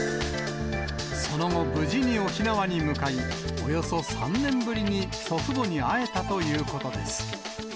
その後、無事に沖縄に向かい、およそ３年ぶりに祖父母に会えたということです。